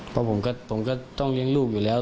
เพราะผมก็ต้องเลี้ยงลูกอยู่แล้ว